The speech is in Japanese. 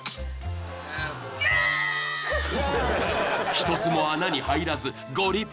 ［一つも穴に入らずご立腹］